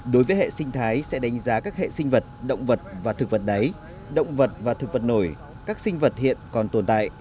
đối với hệ sinh thái sẽ đánh giá các hệ sinh vật động vật và thực vật đáy động vật và thực vật nổi các sinh vật hiện còn tồn tại